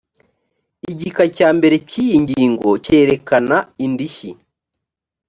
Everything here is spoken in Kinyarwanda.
igika cya mbere cy iyi ngingo kerekana indishyi